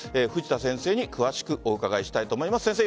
藤田先生に詳しくお伺いしたいと思います。